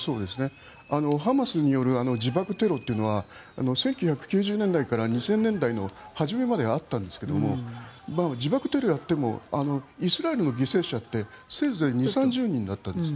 ハマスによる自爆テロというのは１９９０年代から２０００年代の初めまではあったんですが自爆テロをやってもイスラエルの犠牲者ってせいぜい２０３０人だったんです。